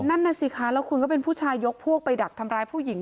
นั่นน่ะสิคะแล้วคุณก็เป็นผู้ชายยกพวกไปดักทำร้ายผู้หญิง